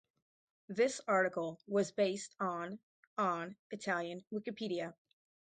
This article was based on on Italian Wikipedia.